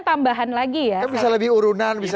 tambahan lagi ya bisa lebih urunan bisa